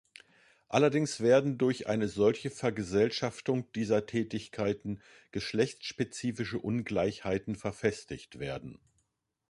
Allerdings werden durch eine solche Vergesellschaftung dieser Tätigkeiten geschlechtsspezifische Ungleichheiten verfestigt werden.